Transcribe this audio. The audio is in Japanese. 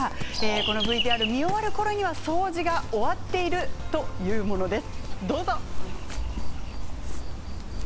このＶＴＲに終わるころには掃除が終わっているというものです。